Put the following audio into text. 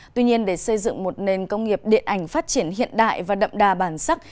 tuy nhiên để xây dựng một nền công nghiệp điện ảnh phát triển hiện đại và đậm đà bản sắc